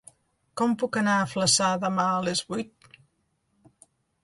Com puc anar a Flaçà demà a les vuit?